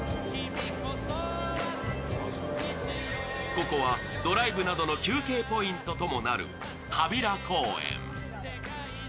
ここはドライブなどの休憩ポイントともなる川平公園。